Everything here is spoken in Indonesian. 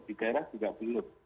di kairang juga belum